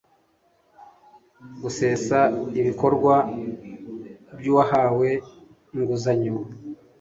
gusesa ibikorwa by uwahawe inguzanyo